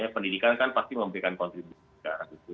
pendidikan kan pasti memberikan kontribusi ke rasus